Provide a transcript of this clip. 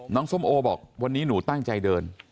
น้องซมโอบอกว่าวนนีหนูตั้งใจเดิน